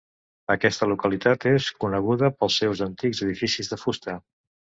Aquesta localitat és coneguda pels seus antics edificis de fusta.